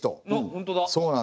本当だ。